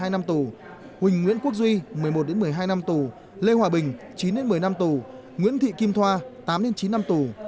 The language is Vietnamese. một mươi một một mươi hai năm tù huỳnh nguyễn quốc duy một mươi một một mươi hai năm tù lê hòa bình chín một mươi năm tù nguyễn thị kim thoa tám chín năm tù